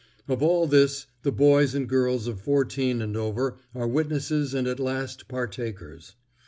Of all this the boys and girls of fourteen and over are witnesses and at last partakers.